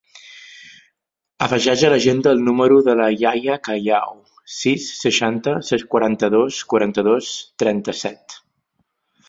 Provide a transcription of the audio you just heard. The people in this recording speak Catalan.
Afegeix a l'agenda el número del Yahya Callau: sis, setanta, quaranta-dos, quaranta-dos, trenta-set.